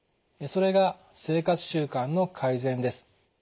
それが生活習慣の改善です。